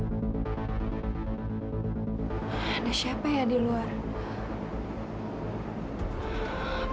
misalnya aku gak p interes